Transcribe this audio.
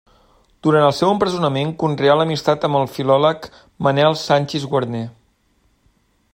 Durant el seu empresonament conreà l'amistat amb el filòleg Manel Sanchis Guarner.